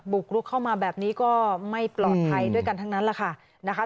ลุกเข้ามาแบบนี้ก็ไม่ปลอดภัยด้วยกันทั้งนั้นแหละค่ะนะคะ